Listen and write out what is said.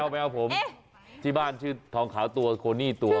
แมวผมที่บ้านชื่อทองขาวตัวโคนี่ตัว